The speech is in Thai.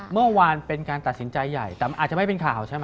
เมื่อวานเป็นการตัดสินใจใหญ่แต่มันอาจจะไม่เป็นข่าวใช่ไหม